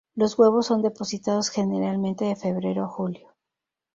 Los huevos son depositados generalmente de febrero a julio.